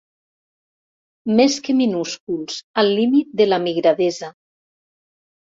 Més que minúsculs, al límit de la migradesa.